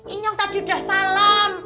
inyong tadi udah salam